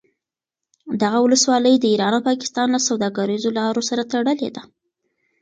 دغه ولسوالي د ایران او پاکستان له سوداګریزو لارو سره تړلې ده